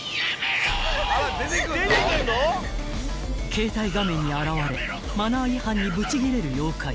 ［携帯画面に現れマナー違反にブチギレる妖怪］